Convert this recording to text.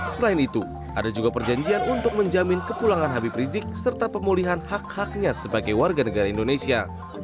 selain itu ada juga perjanjian untuk menjamin kepulangan habib rizik serta pemulihan hak haknya sebagai warga negara indonesia